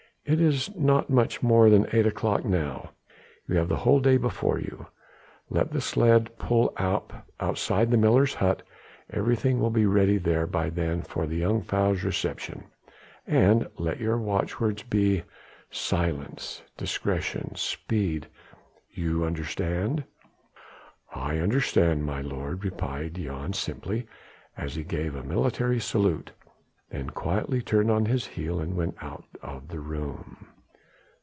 It is not much more than eight o'clock now; you have the whole day before you. Let the sledge pull up outside the miller's hut, everything will be ready there by then for the jongejuffrouw's reception; and let your watchwords be 'Silence, discretion, speed!' you understand?" "I understand, my lord," replied Jan simply as he gave a military salute, then quietly turned on his heel and went out of the room.